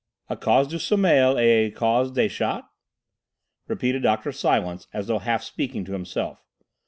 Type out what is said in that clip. "'À cause du sommeil et à cause des chats'?" repeated Dr. Silence, as though half speaking to himself.